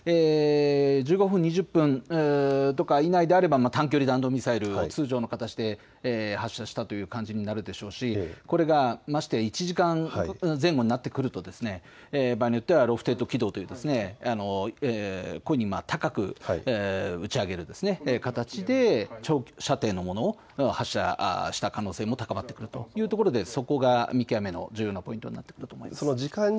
１５分、２０分とか以内であれば短距離弾道ミサイル、通常の形で発射したという感じになるでしょうしこれがましてや１時間前後になってくると場合によってはロフテッド軌道というこういうふうに高くうち上げるという形で長射程のもののを発射をした可能性が高まってくるということでそこが見極めの重要な点になってくると思います。